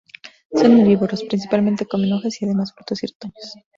Son herbívoros, principalmente comen hojas y además frutos y retoños.